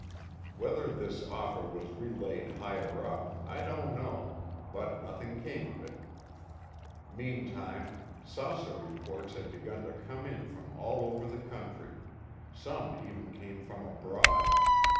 Whether this offer was relayed higher up, I don't know. But nothing came of it. Meantime, saucer reports had begun to come in from all over the country. Some even came from abroad.